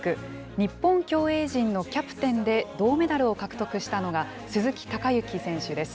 日本競泳陣のキャプテンで、銅メダルを獲得したのが鈴木孝幸選手です。